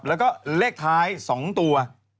แล้วก็เลขท้าย๒ตัว